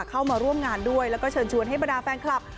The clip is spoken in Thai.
เข้ามาร่วมงานด้วยแล้วก็เชิญชวนให้บรรดาแฟนคลับ